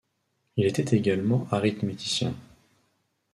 Il était également arithméticien.